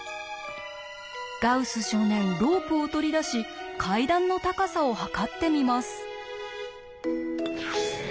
ガウス少年ロープを取り出し階段の高さを測ってみます。